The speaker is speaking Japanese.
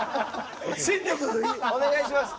お願いします。